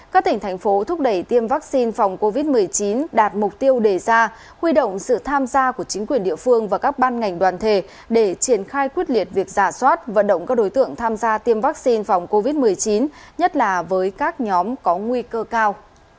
các tỉnh thành phố thúc đẩy tiêm vaccine phòng covid một mươi chín đạt mục tiêu đề ra huy động sự tham gia của chính quyền địa phương và các ban ngành đoàn thể để triển khai quyết liệt việc giả soát vận động các đối tượng tham gia tiêm vaccine phòng covid một mươi chín nhất là với các nhóm có nguy cơ cao